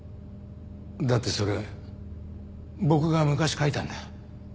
だってそれ僕が昔書いたんだ。